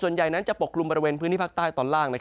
ส่วนใหญ่นั้นจะปกลุ่มบริเวณพื้นที่ภาคใต้ตอนล่าง